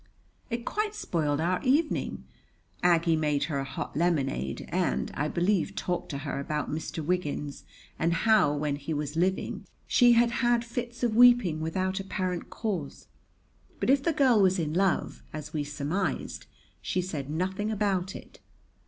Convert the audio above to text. It quite spoiled our evening. Aggie made her a hot lemonade and, I believe, talked to her about Mr. Wiggins, and how, when he was living, she had had fits of weeping without apparent cause. But if the girl was in love, as we surmised, she said nothing about it.